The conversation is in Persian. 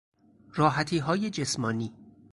راحتیهای جسمانی